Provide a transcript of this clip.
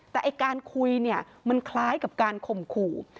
แต่การคุยมันคล้ายกับการข่มขู่